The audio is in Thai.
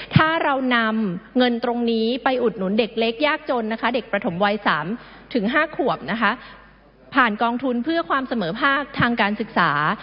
ถ้าเรานำเงินตรงนี้ไปอุดหนุนเด็กเล็กยากจนนะคะเด็กประถมวัย๓๕ขวบนะคะผ่านกองทุนเพื่อความเสมอภาคทางการศึกษา